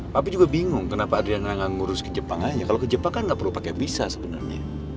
tapi juga bingung kenapa ada yang ngurus ke jepang aja kalau ke jepang kan nggak perlu pakai bisa sebenarnya